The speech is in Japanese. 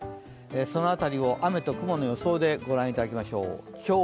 その辺りを雨と雲の予想で御覧いただきましょう。